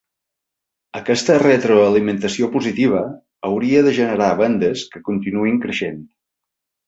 Aquesta retroalimentació positiva hauria de generar vendes que continuïn creixent.